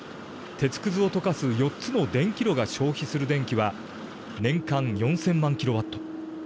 鉄くずを溶かす４つの電気炉が消費する電気は年間４０００万キロワット。